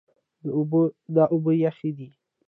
دا اوبه یخې دي.